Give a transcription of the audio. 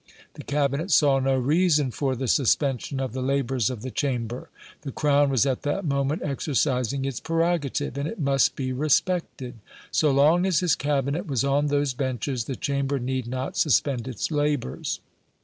The cabinet saw no reason for the suspension of the labors of the Chamber. The Crown was at that moment exercising its prerogative, and it must be respected. So long as his cabinet was on those benches, the Chamber need not suspend its labors."